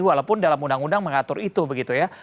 walaupun dalam undang undang mengatur itu begitu ya